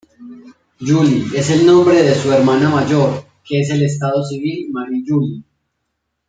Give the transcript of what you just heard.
Julie es el nombre de su hermana mayor, que es el estado civil Marie-Julie.